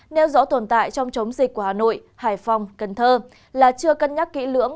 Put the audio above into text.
nêu rõ tồn tại trong chống dịch của hà nội hải phòng cần thơ là chưa cân nhắc kỹ lưỡng